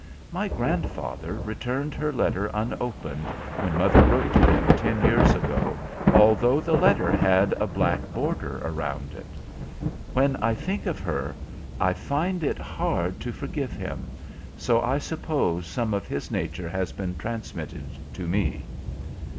My grandfather returned her letter unopened when mother wrote to him ten years ago, although the letter had a black border around it. When I think of her I find it hard to forgive him, so I suppose some of his nature has been transmitted to me."